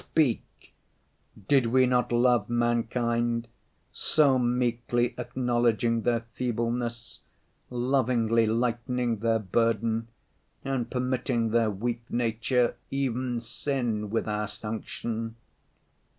Speak! Did we not love mankind, so meekly acknowledging their feebleness, lovingly lightening their burden, and permitting their weak nature even sin with our sanction?